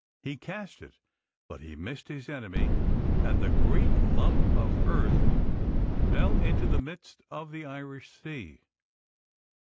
He cast it, but he missed his enemy, and the great lump of earth fell into the midst of the Irish Sea.